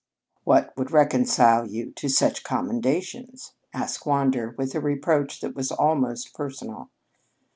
"What would reconcile you to such commendations?" asked Wander with a reproach that was almost personal.